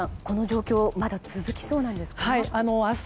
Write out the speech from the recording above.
この状況まだ続きそうですか？